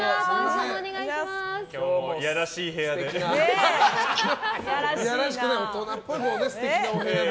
今日もいやらしい部屋で。